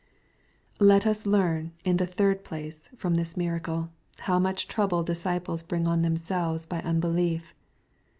Let us learn, in the third place, from this miracle, how I much trouble disciples bring on themselves by unbelief.